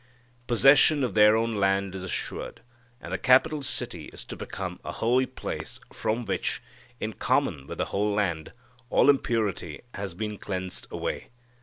Possession of their own land is assured. And the capital city is to become a holy place from which, in common with the whole land, all impurity has been cleansed away.